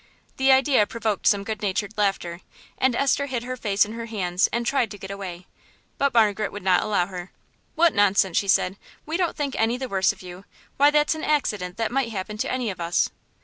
The idea provoked some good natured laughter, and Esther hid her face in her hands and tried to get away. But Margaret would not allow her. "What nonsense!" she said. "We don't think any the worse of you; why that's an accident that might happen to any of us."